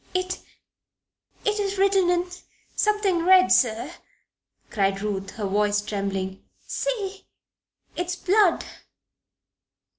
"It it is written in something red, sir," cried Ruth, her voice trembling. "See! It is blood!"